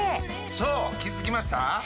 そう気づきました？